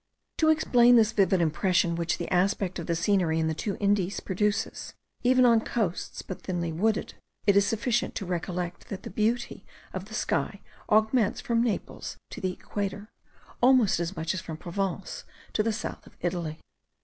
To explain this vivid impression which the aspect of the scenery in the two Indies produces, even on coasts but thinly wooded, it is sufficient to recollect that the beauty of the sky augments from Naples to the equator, almost as much as from Provence to the south of Italy.